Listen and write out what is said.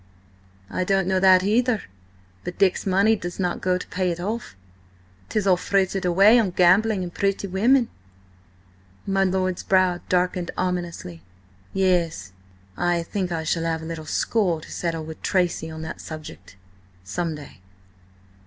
"I don't know that either, but Dick's money does not go to pay it off. 'Tis all frittered away on gambling and pretty women." My lord's brow darkened ominously. "Ye s. I think I shall have a little score to settle with Tracy on that subject–some day."